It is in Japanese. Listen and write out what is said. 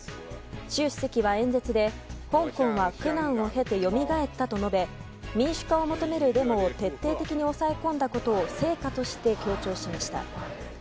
習主席は演説で香港は苦難を経てよみがえったと述べ民主化を求めるデモを徹底的に抑え込んだことを成果として強調しました。